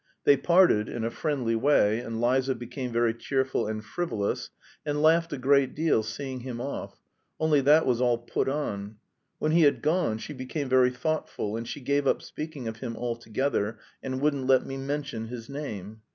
They parted in a friendly way, and Liza became very cheerful and frivolous, and laughed a great deal seeing him off; only that was all put on. When he had gone she became very thoughtful, and she gave up speaking of him altogether and wouldn't let me mention his name.